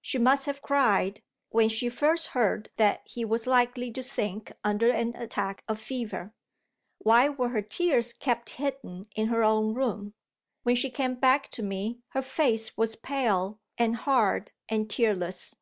She must have cried, when she first heard that he was likely to sink under an attack of fever. Why were her tears kept hidden in her own room? When she came back to me, her face was pale and hard and tearless.